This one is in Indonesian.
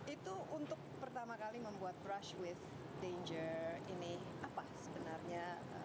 itu untuk pertama kali membuat brush with danger ini apa sebenarnya